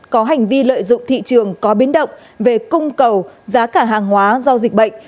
có hành vi lợi dụng thị trường có biến động về cung cầu giá cả hàng hóa do dịch bệnh